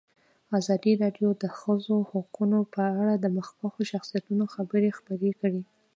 ازادي راډیو د د ښځو حقونه په اړه د مخکښو شخصیتونو خبرې خپرې کړي.